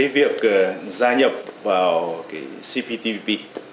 việc gia nhập vào cptpp